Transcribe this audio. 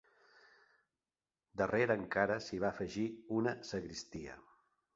Darrere encara s'hi va afegir una sagristia.